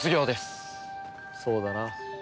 そうだな。